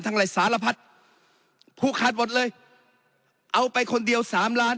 อะไรสารพัดผูกขาดหมดเลยเอาไปคนเดียวสามล้าน